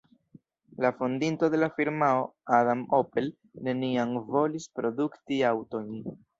La fondinto de la firmao, Adam Opel, neniam volis produkti aŭtojn.